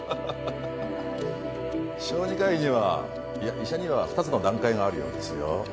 小児科医にはいや医者には二つの段階があるようですよ